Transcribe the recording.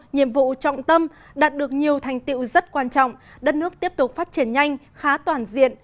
nhiệm vụ trọng tâm đạt được nhiều thành tiệu rất quan trọng đất nước tiếp tục phát triển nhanh khá toàn diện